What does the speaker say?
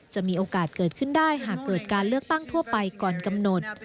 จะมีโอกาสเกิดขึ้นได้หากเกิดการเลือกตั้งทั่วไปก่อนกำหนด